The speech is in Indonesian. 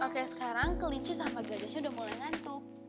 oke sekarang kelinci sama gadisnya udah mulai ngantuk